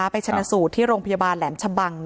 ไปชนะสูตรที่โรงพยาบาลแหลมชะบัง